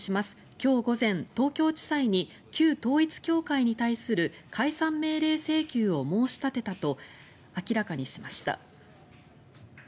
今日午前、東京地裁に旧統一教会に対する解散命令請求を申し立てたと明らかにしました。